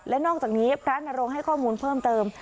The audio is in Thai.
และนอกจากนี้พระนรงค์ให้ข้อมูลเพิ่มเติม